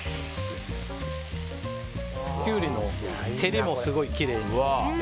キュウリの照りもすごいきれいに。